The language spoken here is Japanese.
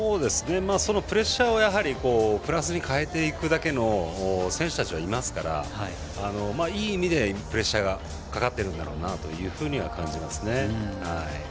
プレッシャーをプラスに変えていくだけの選手たちはいますからいい意味でプレッシャーがかかっているんだろうなと感じますね。